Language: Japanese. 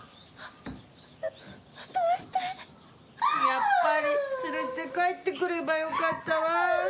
やっぱり連れて帰ってくればよかったわ。